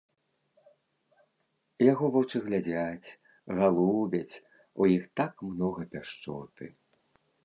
Яго вочы глядзяць, галубяць, у іх так многа пяшчоты.